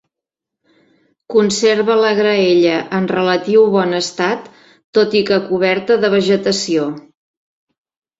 Conserva la graella en relatiu bon estat, tot i que coberta de vegetació.